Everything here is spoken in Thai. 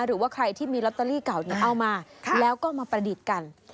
หรือว่าใครที่มีลอตเตอรี่เก่าเอามาแล้วก็มาประดิษฐ์กัน